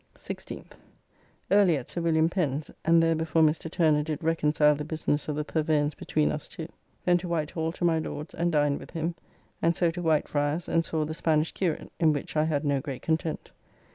16th. Early at Sir Wm. Pen's, and there before Mr. Turner did reconcile the business of the purveyance between us two. Then to Whitehall to my Lord's, and dined with him, and so to Whitefriars and saw "The Spanish Curate," in which I had no great content.